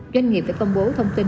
doanh nghiệp phải công bố thông tin